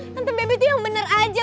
tante bebe tuh yang bener aja